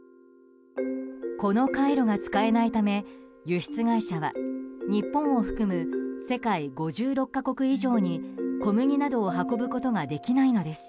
この海路が使えないため輸出会社は日本を含む世界５６か国以上に小麦などを運ぶことができないのです。